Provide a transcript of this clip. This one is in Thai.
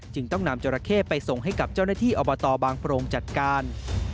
จึงต้องนำจราเข้ไปส่งให้กับเจ้าหน้าที่อบตบางโปรงจัดการ